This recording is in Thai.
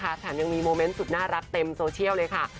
แถมยังมีโมเมนต์สุดน่ารักเต็มโซเชียลเลยค่ะ